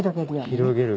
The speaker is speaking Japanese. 広げる。